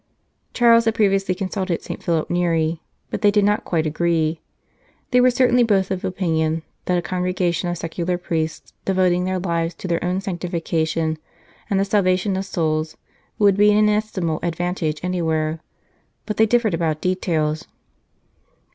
Charles had previously consulted St. Philip Neri, but they did not quite agree. They were certainly both of opinion that a congregation of secular priests devoting their lives to their own sanctification and the salvation of souls would be an inestimable advantage anywhere, but they differed about details.